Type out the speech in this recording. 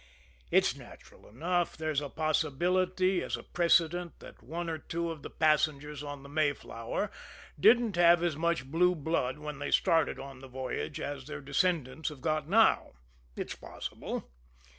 It's natural enough. There's a possibility, as a precedent, that one or two of the passengers on the Mayflower didn't have as much blue blood when they started on the voyage as their descendants have got now it's possible.